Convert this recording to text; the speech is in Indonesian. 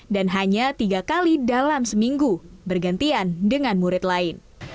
dan hanya tiga kali dalam seminggu bergantian dengan murid lain